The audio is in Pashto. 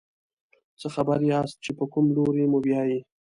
څه خبر یاست چې په کوم لوري موبیايي.